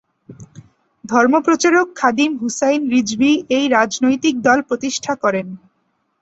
ধর্মপ্রচারক খাদিম হুসাইন রিজভী এই রাজনৈতিক দল প্রতিষ্ঠা করেন।